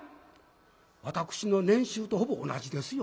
私の年収とほぼ同じですよ。